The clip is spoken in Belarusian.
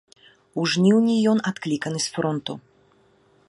У жніўні ён адкліканы з фронту.